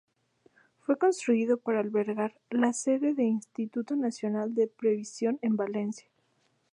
Fue construido para albergar la sede del Instituto Nacional de Previsión en Valencia.